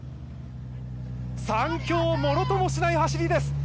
３強をものともしない走りです。